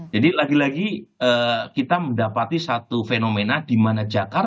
jadi lagi lagi kita mendapatkan basis pemilih baru berat juga buat ahok ini